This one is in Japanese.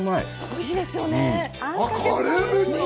おいしいですよね。